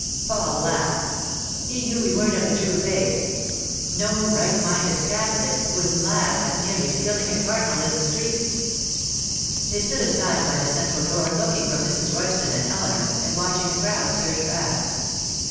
Paul laughed. 'He knew we weren't of the true faith. No right minded Catholic would laugh at nearly spilling a cardinal in the street.' They stood aside by the central door looking for Mrs. Royston and Eleanor and watching the crowd surge past.